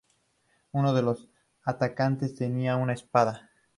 Uno de los atacantes tenía una espada.